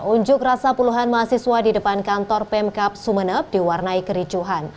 unjuk rasa puluhan mahasiswa di depan kantor pemkap sumeneb diwarnai kericuhan